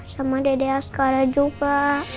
sama dede askara juga